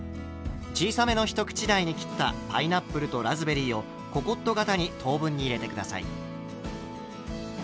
小さめのひと口大に切ったパイナップルとラズベリーをココット型に等分に入れて下さい。